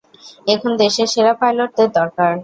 এখন দেশের সেরা পাইলটদের দরকার।